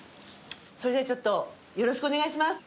それではちょっとよろしくお願いします。